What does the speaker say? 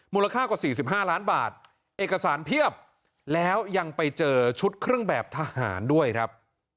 มูลค่ากว่า๔๕ล้านบาทเอกสารเพียบแล้วยังไปเจอชุดเครื่องแบบทหารด้วยครับ